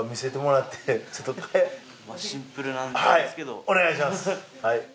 はいお願いします。